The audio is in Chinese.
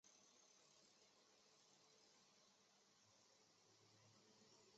基尔施考是德国图林根州的一个市镇。